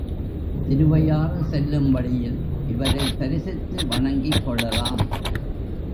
திருவையாறு செல்லும் வழியில் இவரைத் தரிசித்து வணங்கிக் கொள்ளலாம்.